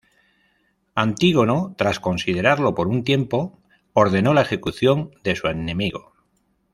Antígono, tras considerarlo por un tiempo, ordenó la ejecución de su enemigo.